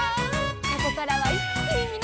「ここからはいっきにみなさまを」